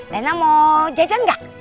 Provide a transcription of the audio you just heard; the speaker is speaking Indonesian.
lena mau jajan gak